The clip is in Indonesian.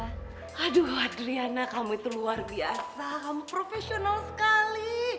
aduh adriana kamu itu luar biasa kamu profesional sekali